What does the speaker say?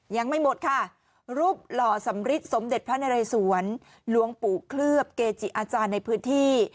ยังไม่หมดค่ะรูปหล่อสำริดสมเด็จพระนเรสวนหลวงปู่เคลือบเกจิอาจารย์ในพื้นที่